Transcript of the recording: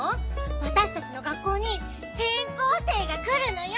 わたしたちの学校にてん校生がくるのよ。